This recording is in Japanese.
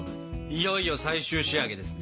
いよいよ最終仕上げですね。